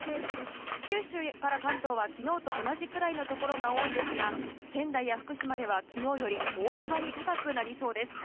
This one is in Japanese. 九州から関東は昨日と同じくらいのところが多いですが仙台や福島では昨日より大幅に高くなりそうです。